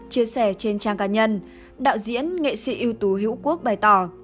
chia sẻ trên trang cá nhân đạo diễn nghệ sĩ ưu tú hữu quốc bày tỏ